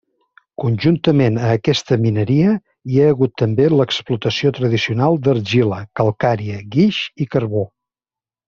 Conjuntament a aquesta mineria hi ha hagut també l’explotació tradicional d’argila, calcària, guix i carbó.